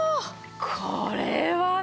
これはね